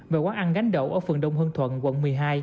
và quán ăn gánh đậu ở phường đông hưng thuận quận một mươi hai